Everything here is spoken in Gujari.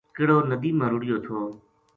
کہڑو ندی ما رُڑھیو تھو